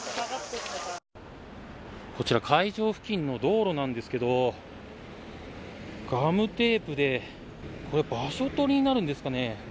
こちら会場付近の道路なんですけどガムテープで場所取りになるんですかね。